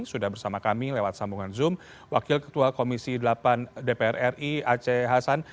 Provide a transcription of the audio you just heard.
sudah bersama kami lewat sambungan zoom wakil ketua komisi delapan dpr ri aceh hasan